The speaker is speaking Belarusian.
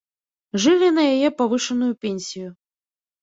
Жылі на яе павышаную пенсію.